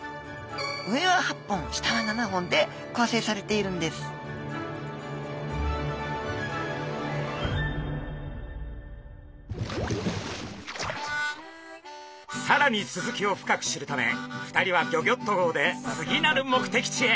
上は８本下は７本で構成されているんですさらにスズキを深く知るため２人はギョギョッと号で次なる目的地へ。